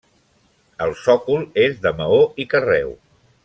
El sòcol és de maó i carreu.